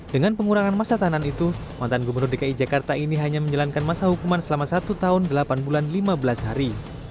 dengan pengurangan masa tahanan itu mantan gubernur dki jakarta ini hanya menjalankan masa hukuman selama satu tahun delapan bulan lima belas hari